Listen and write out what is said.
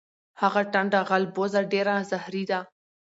هغه ټنډه غالبوزه ډیره زهری ده.